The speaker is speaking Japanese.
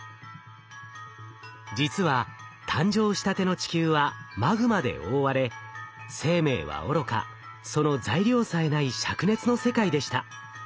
実は誕生したての地球はマグマで覆われ生命はおろかその材料さえないしゃく熱の世界でした。